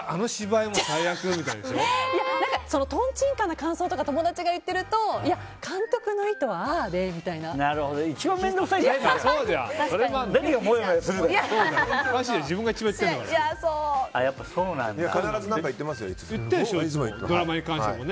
とんちんかんな感想を友達が言ってるといや監督の意図はああでみたいな。一番面倒くさいじゃん。何がもやもやする？